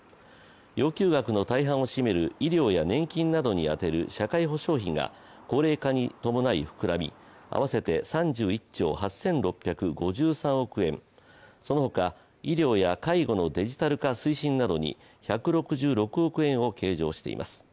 要求額の大半を占める医療や年金などに充てる社会保障費が高齢化に伴い膨らみ、合わせて３１兆８６５３億円、そのほか医療や介護のデジタル化推進などに１６６億円を計上しています。